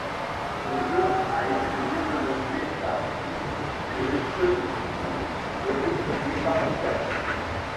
Le jeu a été développé par Dimps et Sonic Team, et édité par Sega.